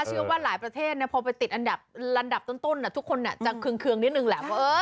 เชื่อว่าหลายประเทศพอไปติดอันดับลำดับต้นทุกคนจะเคืองนิดนึงแหละว่า